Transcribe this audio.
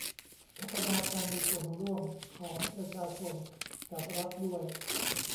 พัฒนาการมีส่วนร่วมของประชาชนกับรัฐด้วย